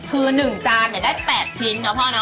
คือ๑จานเดี๋ยวได้๘ชิ้นเนอะพ่อเนอะ